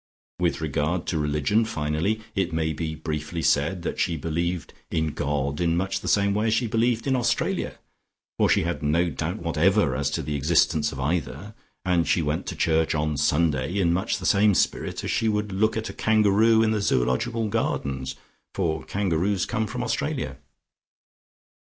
With regard to religion finally, it may be briefly said that she believed in God in much the same way as she believed in Australia, for she had no doubt whatever as to the existence of either, and she went to church on Sunday in much the same spirit as she would look at a kangaroo in the Zoological Gardens, for kangaroos come from Australia.